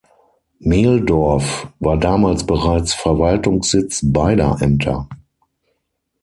Meldorf war damals bereits Verwaltungssitz beider Ämter.